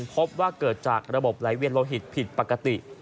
พบว่าเกิดจากระบบไหลเวียนโลหิตผิดปกติ